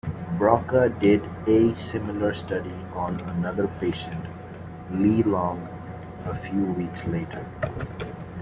Broca did a similar study on another patient, Lelong, a few weeks later.